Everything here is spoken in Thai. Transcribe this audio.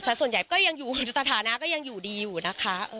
ส่วนใหญ่ก็ยังอยู่สถานะก็ยังอยู่ดีอยู่นะคะ